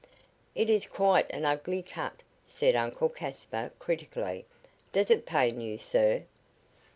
"It is quite an ugly cut," said Uncle Caspar, critically. "Does it pain you, sir?"